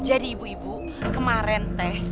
jadi ibu ibu kemarin teh